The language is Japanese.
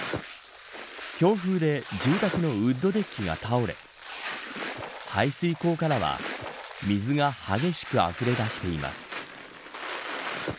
強風で住宅のウッドデッキが倒れ排水溝からは水が激しくあふれ出しています。